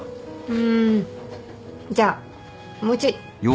うんじゃあもうちょい。